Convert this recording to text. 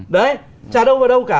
đấy trả đâu vào đâu cả